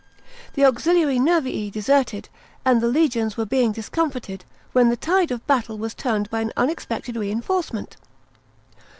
The auxiliary Nervii deserted, and the legions were being discomfited, when the tide of battle was turned by an unexpected reinforcement.